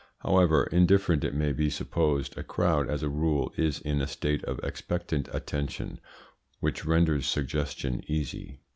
However indifferent it may be supposed, a crowd, as a rule, is in a state of expectant attention, which renders suggestion easy.